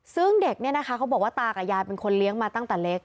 ซึ่งเด็กเนี่ยนะคะเขาบอกว่าตากับยายเป็นคนเลี้ยงมาตั้งแต่เล็ก